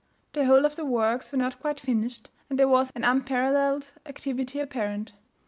The whole of the works were not quite finished, and there was an unparalleled activity apparent.